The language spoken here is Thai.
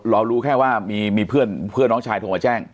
เรารู้แค่ว่ามีเพื่อนน้องชายโทรมาแจ้ง